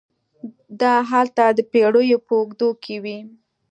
دا هلته د پېړیو په اوږدو کې وې.